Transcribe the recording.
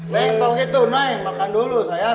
neng tau gitu neng makan dulu sayang